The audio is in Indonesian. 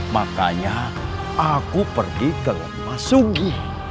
makanya aku pergi ke rumah sunggi